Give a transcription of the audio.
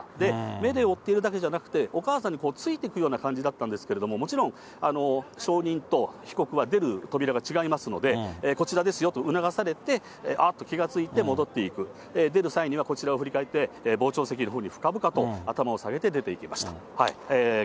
目で追ってるだけじゃなくて、お母さんについていくような感じだったんですけれども、もちろん証人と被告は出る扉が違いますので、こちらですよと促されて、あっと気が付いて、戻っていく、出る際にはこちらを振り返って、傍聴席のほうに深々と頭を下げて出ていきました。